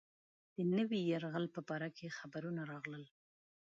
د نوي یرغل په باره کې خبرونه راغلل.